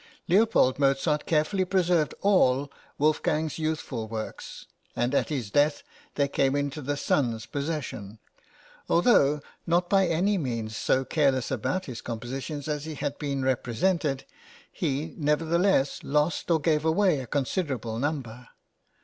Leopold Mozart carefully preserved all Wolfgang's youthful works, and at his death they came into the son's possession: although not by any means so careless about his compositions as he has been represented, he, nevertheless, lost or gave away a considerable number.